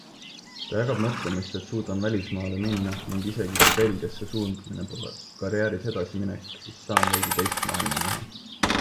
Ta jagab mõtlemist, et suudan välismaale minna ning isegi, kui Belgiasse suundumine pole karjääris edasiminek, siis saan veidi teist maailma näha.